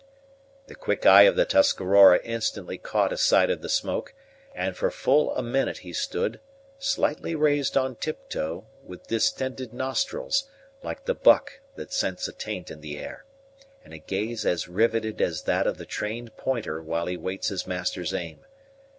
The quick eye of the Tuscarora instantly caught a sight of the smoke; and for full a minute he stood, slightly raised on tiptoe, with distended nostrils, like the buck that scents a taint in the air, and a gaze as riveted as that of the trained pointer while he waits his master's aim.